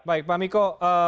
baik pak miko